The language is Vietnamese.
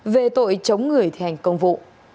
về tội chống người thi hành công vụ